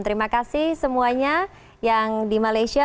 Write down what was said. terima kasih semuanya yang di malaysia